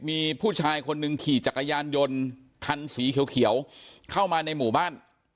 มีผู้ชายคนหนึ่งขี่จักรยานยนต์คันสีเขียวเข้ามาในหมู่บ้าน